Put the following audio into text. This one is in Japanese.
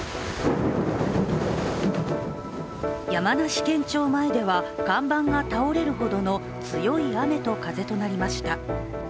山梨県庁前では、看板が倒れるほどの強い雨と風となりました。